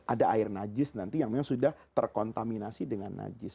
ada air najis yang sudah terkontaminasi dengan najis